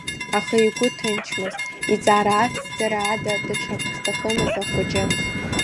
Аха игәы ҭынчмызт иҵара ацҵара ада даҽак зҭахымыз ахәыҷы.